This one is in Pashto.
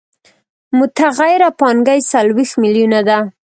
متغیره پانګه یې څلوېښت میلیونه ده